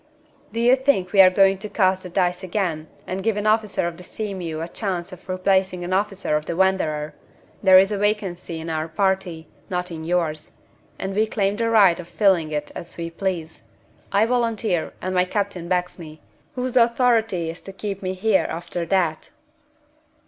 "Do you think we are going to cast the dice again, and give an officer of the Sea mew a chance of replacing an officer of the Wanderer? There is a vacancy in our party, not in yours; and we claim the right of filling it as we please. I volunteer, and my captain backs me. Whose authority is to keep me here after that?"